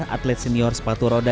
atlet senior sepatu roda